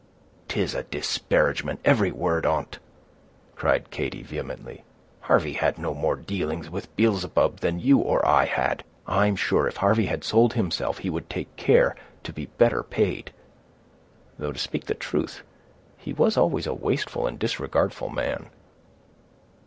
"'Tis a disparagement, every word on't," cried Katy, vehemently. "Harvey had no more dealings with Beelzebub than you or I had. I'm sure if Harvey had sold himself, he would take care to be better paid; though, to speak the truth, he was always a wasteful and disregardful man."